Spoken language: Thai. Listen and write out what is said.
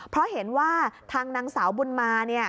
เพราะเห็นว่าทางนางสาวบุญมาเนี่ย